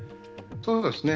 そうですね。